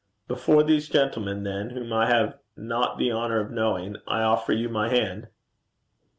'Before these gentlemen, then, whom I have not the honour of knowing, I offer you my hand.'